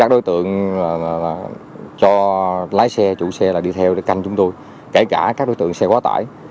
đối tượng cho lái xe chủ xe đi theo để canh chúng tôi kể cả các đối tượng xe quá tải